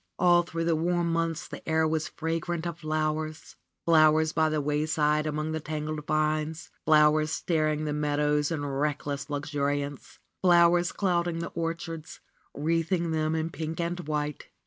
All through the warm months the air was fragrant of flowers; flowers by the wayside among the tangled vines; flowers starring the meadows in reckless luxuri ance; flowers clouding the orchards, wreathing them in pink and white.